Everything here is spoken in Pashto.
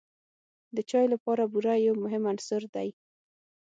د چای لپاره بوره یو مهم عنصر دی.